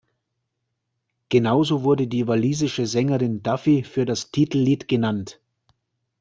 Genauso wurde die walisische Sängerin Duffy für das Titellied genannt.